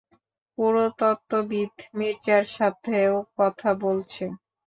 পুরাতত্ত্ববিদ মির্জার, সাথেও কথা বলছে।